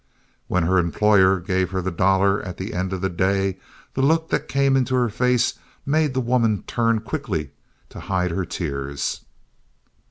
When her employer gave her the dollar at the end of the day, the look that came into her face made that woman turn quickly to hide her tears.